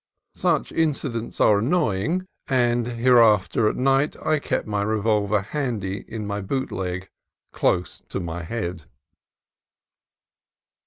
Such incidents are annoying, and thereafter at night I kept my revolver handy in my boot leg, close to my head.